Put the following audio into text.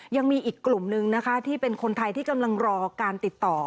ยังมีอีกกลุ่มนึงนะคะที่เป็นคนไทยที่กำลังรอการติดต่อ